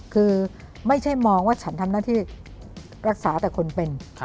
คือไม่ใช่มองว่าฉันทำหน้าที่รักษาแต่คนเป็น